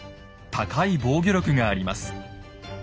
高い防御力があります。